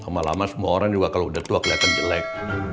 lama lama semua orang juga kalau udah tua kelihatan jelek